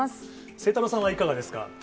晴太郎さんはいかがですか？